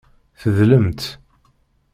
Tedlemt.